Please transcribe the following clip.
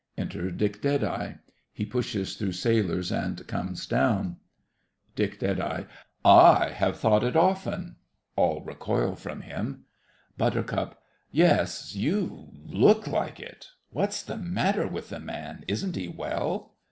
Enter DICK DEADEYE. He pushes through sailors, and comes down DICK. I have thought it often. (All recoil from him.) BUT. Yes, you look like it! What's the matter with the man? Isn't he well?